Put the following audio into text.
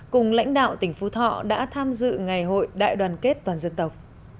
cùng lãnh đạo tỉnh phú thọ đã tham dự ngày hội đại đoàn kết toàn dân tộc